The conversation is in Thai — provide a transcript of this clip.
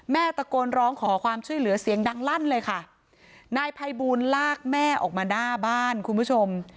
ตะโกนร้องขอความช่วยเหลือเสียงดังลั่นเลยค่ะนายภัยบูลลากแม่ออกมาหน้าบ้านคุณผู้ชม